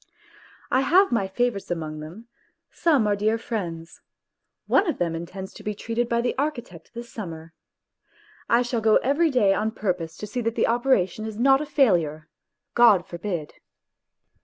I have my favourites among them, some are dear friends ; one of them intends to be treated by the architect this summer. I shall go every day on purpose to see that the operation is not a failure. God forbid